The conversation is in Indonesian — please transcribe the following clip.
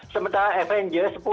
sementara avengers sepuluh